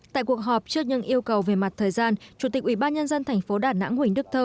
tại cuộc họp trước những yêu cầu về mặt thời gian chủ tịch ủy ban nhân dân thành phố đà nẵng huỳnh đức thơ